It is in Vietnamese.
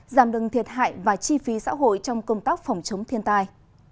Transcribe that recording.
giảm đừng thiệt hại và chi phí xã hội trong công tác phòng chống thiên tai